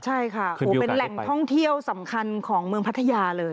ใช่ค่ะเป็นแหล่งท่องเที่ยวสำคัญของเมืองพัทยาเลย